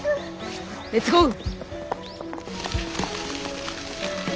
レッツゴー！